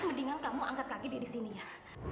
mendingan kamu angkat kaki diri sini ya